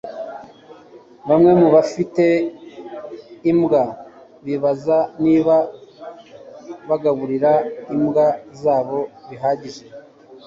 bamwe mubafite imbwa bibaza niba bagaburira imbwa zabo bihagije